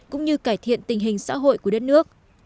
cũng như cải thiện tình hình xã hội của đất nước